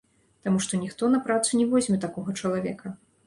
Таму што ніхто на працу не возьме такога чалавека.